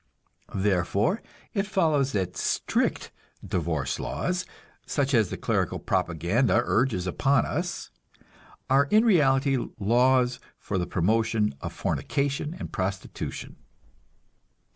Therefore it follows that "strict" divorce laws, such as the clerical propaganda urges upon us, are in reality laws for the promotion of fornication and prostitution.